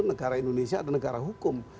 negara indonesia adalah negara hukum